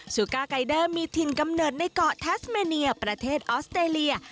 ูก้าไกเดอร์มีถิ่นกำเนิดในเกาะแทสเมเนียประเทศออสเตรเลีย